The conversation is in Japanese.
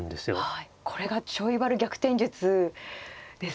はいこれがちょい悪逆転術ですか。